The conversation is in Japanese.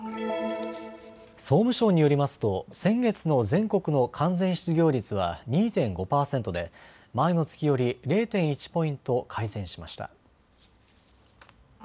総務省によりますと先月の全国の完全失業率は２．５％で前の月より０．１ポイント改善しました。